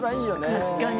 「確かに。